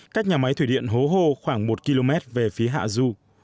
cách nhà máy thủy điện hố hô khoảng một km về phía hạ du